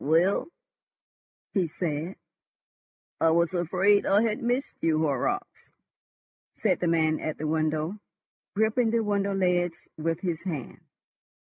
"Well?" he said. "I was afraid I had missed you, Horrocks," said the man at the window, gripping the window ledge with his hand.